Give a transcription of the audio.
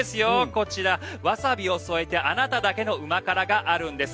こちら、ワサビを添えてあなただけの旨辛があるんです。